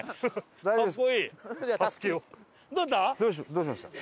どうしました？